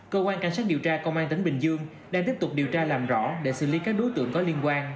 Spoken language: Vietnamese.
cơ quan cảnh sát điều tra công an tỉnh bình dương đang tiếp tục điều tra làm rõ để xử lý các đối tượng có liên quan